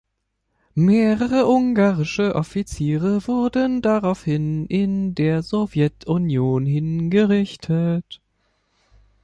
Mehrere ungarische Offiziere wurden daraufhin in der Sowjetunion hingerichtet.